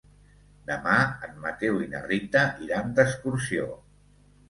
Demà en Mateu i na Rita iran d'excursió.